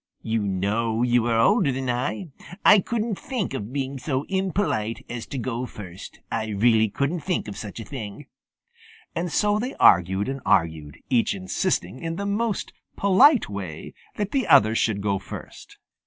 You know you are older than I. I couldn't think of being so impolite as to go first. I really couldn't think of such a thing." And so they argued and argued, each insisting in the most polite way that the other should go first.